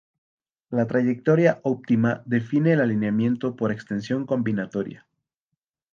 La trayectoria óptima define el alineamiento por extensión combinatoria.